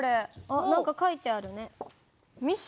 あっ何か書いてあるね。